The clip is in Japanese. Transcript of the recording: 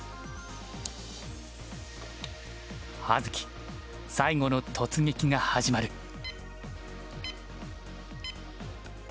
葉月最後の突撃が始まる。